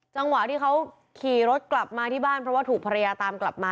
จังหวะที่เขาขี่รถกลับมาที่บ้านเพราะว่าถูกภรรยาตามกลับมา